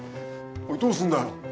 おいどうすんだよ？